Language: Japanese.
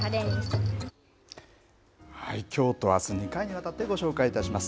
きょうとあす２回にわたってご紹介します。